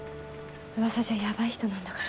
うわさじゃヤバい人なんだから。